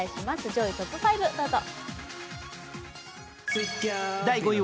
上位トップ５、どうぞ。